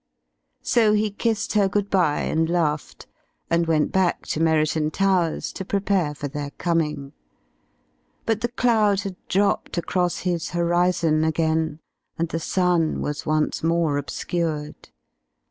So he kissed her good bye and laughed, and went back to Merriton Towers to prepare for their coming. But the cloud had dropped across his horizon again, and the sun was once more obscured.